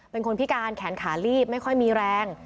เป็นคนพิการแขนขาลีบไม่ค่อยมีแรง